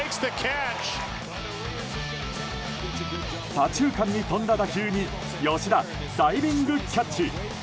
左中間に飛んだ打球に吉田ダイビングキャッチ。